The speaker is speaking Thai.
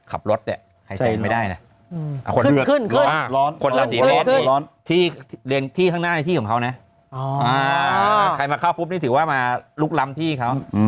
อะไรที่หนักมาก